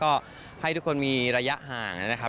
ก็ให้ทุกคนมีระยะห่างนะครับ